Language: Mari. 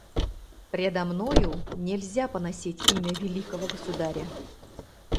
Предо мною нельзя поносить имя великого государя.